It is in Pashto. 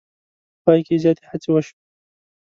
په پای کې زیاتې هڅې وشوې.